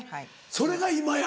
それが今や。